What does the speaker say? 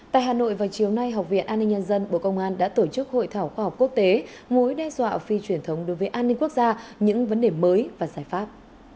tại hà nội vào chiều nay học viện an ninh nhân dân bộ công an đã tổ chức hội thảo khoa học quốc tế mối đe dọa phi truyền thống đối với an ninh quốc gia những vấn đề mới và giải pháp